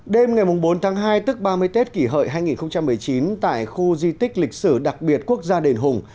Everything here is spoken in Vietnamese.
đêm ngày bốn tháng hai tức ba mươi tết kỷ hợi hai nghìn một mươi chín tại khu di tích lịch sử đặc biệt quốc gia đền hùng